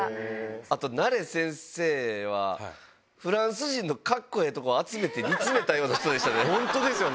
あと、ナレ先生は、フランス人のかっこええとこ集めて煮詰めたような人でしたね。